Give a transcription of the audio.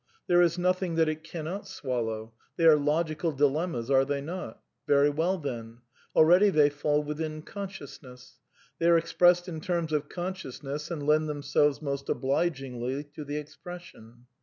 There is nothing that it cannot swallow. They are logical dilemmas, are they not? Very well, then. Already they fall within consciousness. They are expressed in terms of conscious ness and lend themselves most obligingly to the expression.